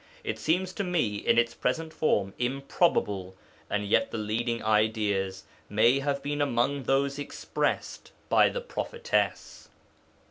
It seems to me, in its present form, improbable, and yet the leading ideas may have been among those expressed by the prophetess.